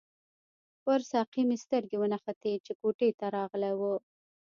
پر ساقي مې سترګې ونښتې چې کوټې ته راغلی وو.